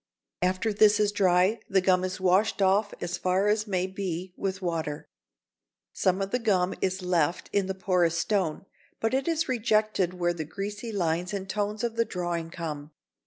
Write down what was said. After this is dry, the gum is washed off as far as may be with water; some of the gum is left in the porous stone, but it is rejected where the greasy lines and tones of the drawing come.